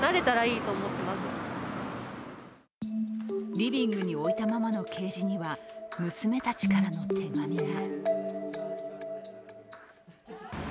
リビングに置いたままのケージには娘たちからの手紙が。